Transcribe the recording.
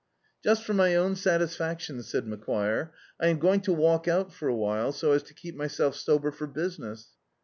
"Just for my own satisfaction," said Macquire. "I am going to walk out for a while, so as to keep myself sober for business."